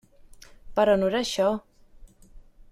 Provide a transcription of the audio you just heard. Però no era això.